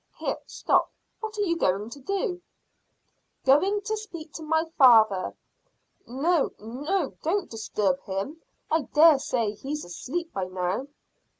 Here: stop! What are you going to do?" "Going to speak to father." "No, no, don't disturb him. I dare say he's asleep by now."